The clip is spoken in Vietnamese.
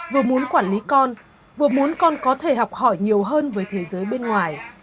vừa muốn quản lý con vừa muốn con có thể học hỏi nhiều hơn với thế giới bên ngoài